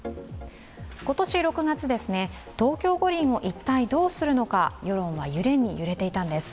今年６月、東京五輪を一体どうするのか世論は揺れに揺れていたんです。